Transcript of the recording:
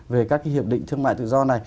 về các hiệp định thương mại tự do này